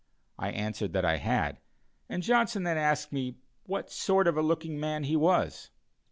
I answered that I had, and Johnson then asked what sort of a looking man he was.